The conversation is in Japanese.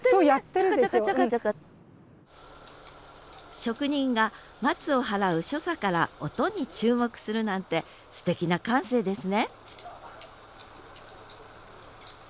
職人が松を払う所作から音に注目するなんてすてきな感性ですね